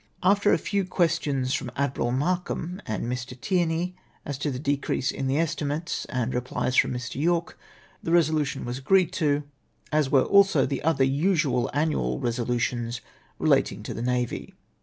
" After a few questions from Admiral Markham and Mr. Tierney, as to the decrease in the estimates, and replies from Mr. Yorke, the resolution was agreed to, as were also the other usual annual resolutions relating to the navy."